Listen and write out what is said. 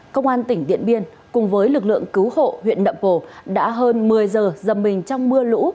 công an tỉnh điện biên cùng với lực lượng cứu hộ huyện đậm bồ đã hơn một mươi h dầm mình trong mưa lũ